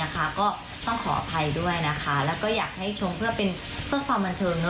ก็ต้องขออภัยด้วยนะคะแล้วก็อยากให้ชงเพื่อความบันเทิง